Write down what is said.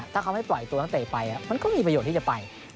ถ้าเขาไม่ปล่อยตัวนักเตะไปมันก็มีประโยชน์ที่จะไป